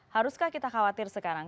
haruskah kita khawatir sekarang